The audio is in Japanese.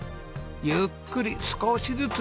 「ゆっくり少しずつ」